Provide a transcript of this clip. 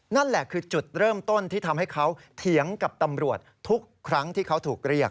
นั่นแหละคือจุดเริ่มต้นที่ทำให้เขาเถียงกับตำรวจทุกครั้งที่เขาถูกเรียก